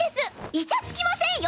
イチャつきませんよ！